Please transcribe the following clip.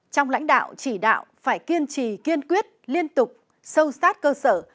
trong lãnh đạo chỉ đạo phải kiên trì kiên quyết liên tục sâu sát cơ sở